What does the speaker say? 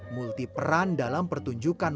multi peran dalam pertunjukan wayang